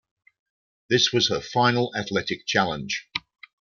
This was her final athletic challenge.